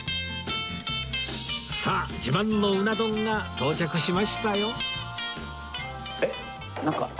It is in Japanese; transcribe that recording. さあ自慢のうな丼が到着しましたよ